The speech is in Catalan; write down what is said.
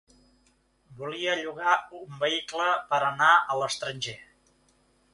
Volia llogar un vehicle per anar a l'estranger.